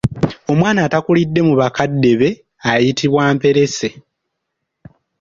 Omwana atakulidde mu bakadde be ayitibwa Mperese.